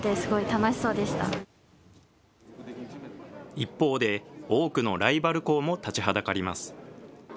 一方で、多くのライバル校も立ちはだかります。